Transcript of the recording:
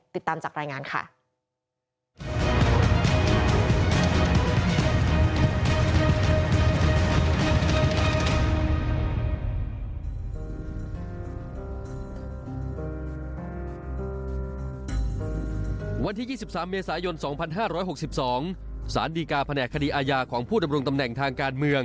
ติดตามจากรายงานค่ะ